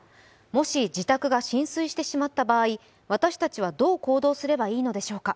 もし自宅が浸水してしまった場合、私たちはどう行動すればよいのでしょうか。